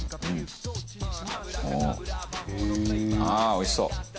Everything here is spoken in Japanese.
ああおいしそう。